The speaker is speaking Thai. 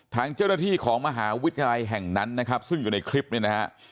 ทางเจ้าหน้าที่ของมหาวิทยาลัยแห่งนั้นนะครับซึ่งอยู่ในคลิปนี้นะฮะ